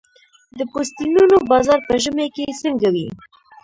د پوستینونو بازار په ژمي کې څنګه وي؟